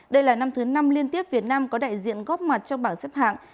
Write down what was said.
đây là năm thứ năm liên tiếp việt nam có đại diện góp mặt trong bảng xếp hạng